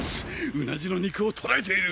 うなじの肉を捉えている！！